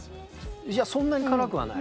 いやそんなに辛くはない。